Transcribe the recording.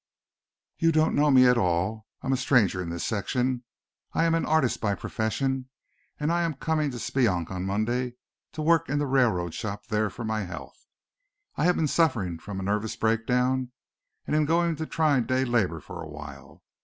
"You don't know me at all. I am a stranger in this section. I am an artist by profession and I am coming to Speonk on Monday to work in the railroad shop there for my health. I have been suffering from a nervous breakdown and am going to try day labor for awhile.